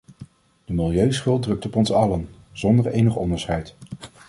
De milieuschuld drukt op ons allen, zonder enig onderscheid.